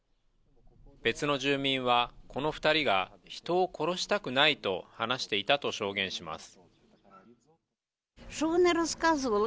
別の住民はこの２人が人を殺したくないと話していたと証言します。